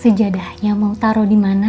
sejadahnya mau taro dimana